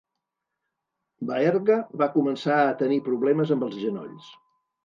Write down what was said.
Baerga va començar a tenir problemes amb els genolls.